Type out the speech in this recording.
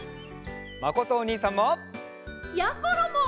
まことおにいさんも！やころも！